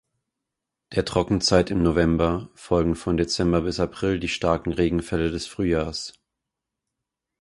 Der Trockenzeit im November folgen von Dezember bis April die starken Regenfälle des Frühjahrs.